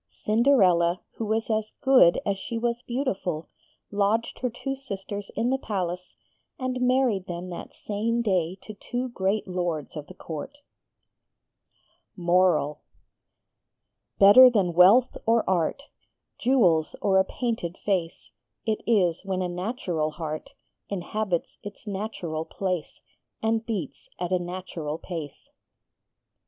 Cinderella, who was as good as she was beautiful, lodged her two sisters in the palace, and married them that same day to two great Lords of the Court. MORAL Better than wealth or art, Jewels or a painted face, It is when a natural heart Inhabits its natural place _And beats at a natural pace.